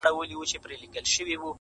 نه حیا له رقیبانو نه سیالانو.!